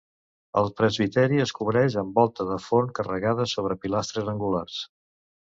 El presbiteri es cobreix amb volta de forn carregada sobre pilastres angulars.